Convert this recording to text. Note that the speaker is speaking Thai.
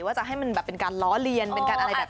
ว่าจะให้มันเป็นการล้อเลียนเป็นการอะไรแบบนี้หรอก